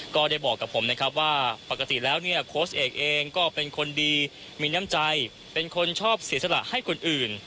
ก็ได้บอกกับผมนะครับว่าปกติแล้วเนี่ยโค้ชเอกเองก็เป็นคนดีมีน้ำใจเป็นคนชอบเสียสละให้คนอื่น